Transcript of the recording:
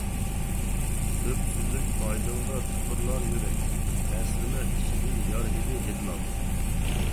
سۈپسۈزۈك ئايدىڭدا تېپىرلار يۈرەك، ئەسلىمە ئىچىدىن يار ھىدى ھىدلاپ.